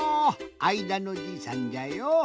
あいだのじいさんじゃよ。